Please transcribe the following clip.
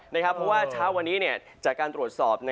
เพราะว่าเช้าวันนี้จากการตรวจสอบ